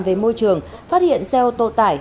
về môi trường phát hiện xe ô tô tải